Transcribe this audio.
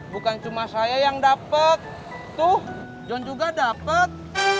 bukan cuma saya yang dapet tuh john juga dapet